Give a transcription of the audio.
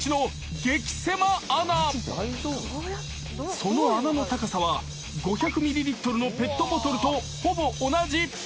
［その穴の高さは５００ミリリットルのペットボトルとほぼ同じ］